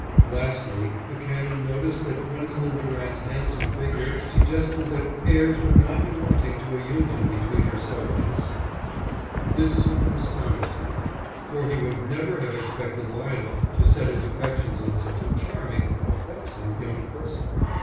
Lastly, the Canon noticed that Gwendolen Durant's handsome figure suggested that heirs would not be wanting to a union between herself and his son. This somewhat astonished him, for he would never have expected Lionel to set his affections on such a charming, but buxom, young person.